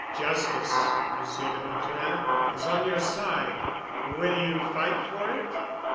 "Justice, Monsieur de Vautrin, is on your side. Will you fight for it?"